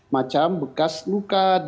macam bekas luka